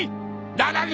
ならぬ。